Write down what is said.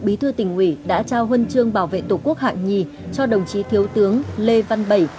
bí thư tỉnh ủy đã trao huân chương bảo vệ tổ quốc hạng nhì cho đồng chí thiếu tướng lê văn bảy